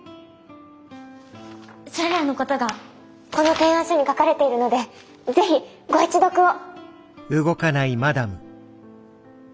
それらのことがこの提案書に書かれているのでぜひご一読を。